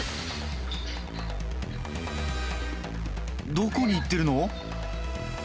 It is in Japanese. どこに行ってるの？